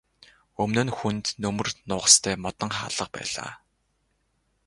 Өмнө нь хүнд төмөр нугастай модон хаалга байлаа.